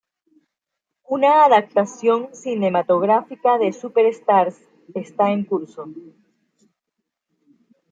Una adaptación cinematográfica de "Superstars" esta en curso.